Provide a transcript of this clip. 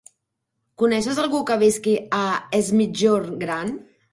Coneixes algú que visqui a Es Migjorn Gran?